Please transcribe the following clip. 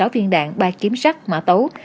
sáu viên đạn ba kiếm sắt mã tấu